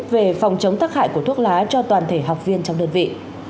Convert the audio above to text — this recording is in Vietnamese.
về phòng chống tắc hại của thuốc lá cho toàn thể học viên trong đơn vị